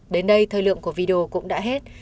đến đây thời lượng của video cũng đã hết